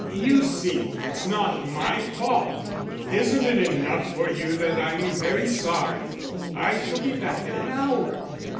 "You see it's not my fault. Isn't it enough for you that I'm very sorry? I shall be back in an hour.